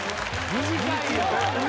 短いよ！